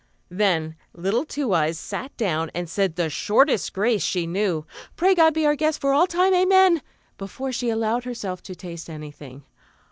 Then little Two Eyes sat down and said the shortest grace she knew "Pray God be our guest for all time. Amen" before she allowed herself to taste anything.